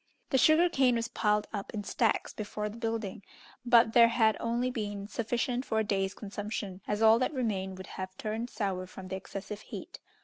The sugar cane was piled up in stacks before the building, but there had only been sufficient for a day's consumption, as all that remained would have turned sour from the excessive heat.